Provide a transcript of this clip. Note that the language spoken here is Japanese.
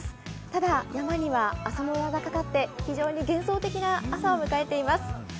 ただ、山には朝もやがかかって非常に幻想的な朝を迎えています。